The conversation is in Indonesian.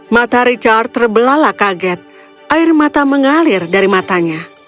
mata richard terbelalah kaget air mata mengalir dari matanya